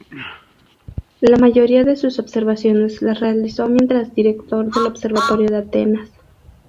La mayoría de sus observaciones las realizó mientras director del Observatorio de Atenas.